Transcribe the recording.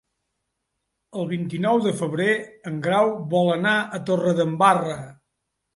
El vint-i-nou de febrer en Grau vol anar a Torredembarra.